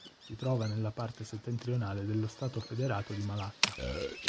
Si trova nella parte settentrionale dello stato federato di Malacca.